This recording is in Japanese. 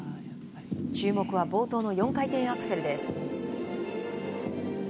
注目は冒頭の４回転アクセルです。